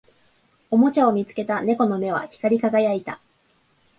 おもちゃを見つけた猫の目は光り輝いた